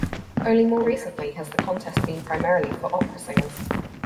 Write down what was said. Only more recently has the contest been primarily for opera singers.